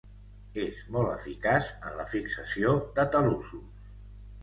És molt eficaç en la fixació de talussos.